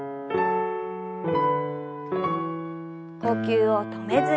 呼吸を止めずに。